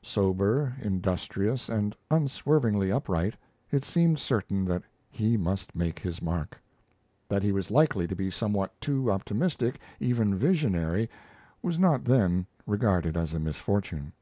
Sober, industrious, and unswervingly upright, it seemed certain that he must make his mark. That he was likely to be somewhat too optimistic, even visionary, was not then regarded as a misfortune.